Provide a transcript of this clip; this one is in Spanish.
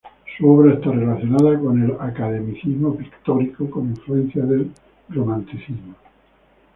Su obra está relacionada con el academicismo pictórico con influencia del romanticismo.